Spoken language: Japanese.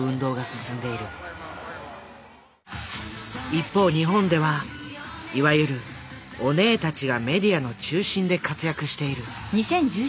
一方日本ではいわゆるオネエたちがメディアの中心で活躍している。